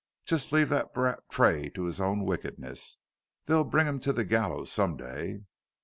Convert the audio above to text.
"Jus' leave that brat, Tray, to his own wickedness. They'll bring him to the gallers some day."